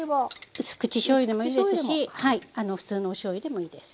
うす口しょうゆでもいいですし普通のおしょうゆでもいいです。